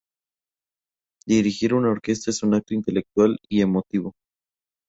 Dirigir una orquesta es un acto intelectual y emotivo.